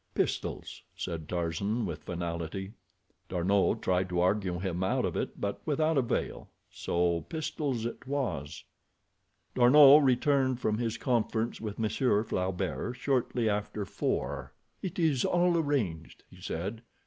"Pistols," said Tarzan, with finality. D'Arnot tried to argue him out of it, but without avail, so pistols it was. D'Arnot returned from his conference with Monsieur Flaubert shortly after four. "It is all arranged," he said.